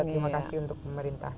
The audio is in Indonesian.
terima kasih untuk pemerintah